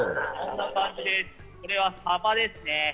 これはサバですね。